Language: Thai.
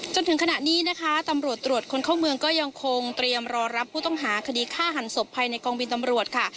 จนถึงขณะนี้นะคะตำรวจตรวจคนเข้าเมืองก็ยังคงเตรียมรอรับผู้ต้องหาคดีฆ่าหันศพภายในกองบินตำรวจค่ะ